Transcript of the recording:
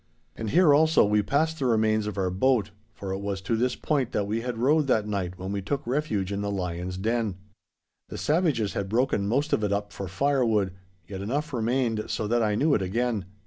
And here also we passed the remains of our boat, for it was to this point that we had rowed that night when we took refuge in the lion's den. The savages had broken most of it up for firewood, yet enough remained so that I knew it again.